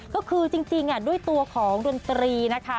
ก็คือจริงด้วยตัวของดนตรีนะคะ